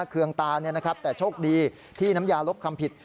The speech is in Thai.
เคืองตานะครับแต่โชคดีที่น้ำยาลบความผิด